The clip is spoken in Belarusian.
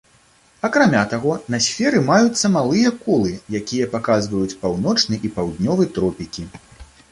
Акрамя таго, на сферы маюцца малыя колы, якія паказваюць паўночны і паўднёвы тропікі.